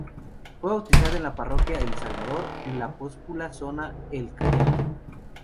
Fue bautizado en la parroquia El Salvador, en la populosa zona del El Callao.